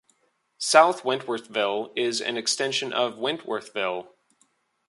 South Wentworthville is an extension of Wentworthville.